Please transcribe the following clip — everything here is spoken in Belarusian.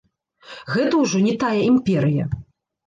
Гэта ўжо не тая імперыя.